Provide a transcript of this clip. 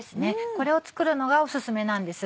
これを作るのがお薦めなんです。